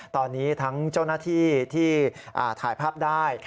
ตอนนี้ทั้งเจ้าหน้าที่ที่ถ่ายภาพได้